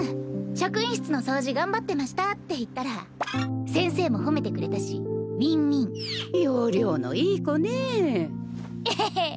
職員室の掃除頑張ってましたって言ったら先生も褒めてくれたしウィンウィン要領のいい子ねえへへっ！